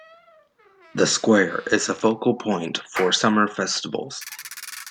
The square is a focal point for summer festivals.